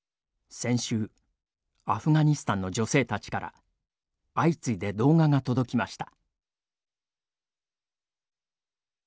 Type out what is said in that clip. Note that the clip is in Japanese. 先週アフガニスタンの女性たちから相次いで動画が届きました。